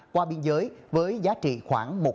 qua biên giới với giá trị khoảng một tỷ đồng